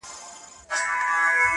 ورځه ورځه تر دکن تېر سې-